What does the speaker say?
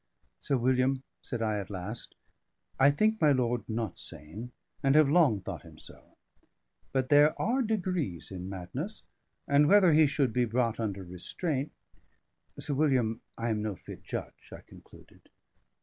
"Sir William," said I at last, "I think my lord not sane, and have long thought him so. But there are degrees in madness; and whether he should be brought under restraint Sir William, I am no fit judge," I concluded.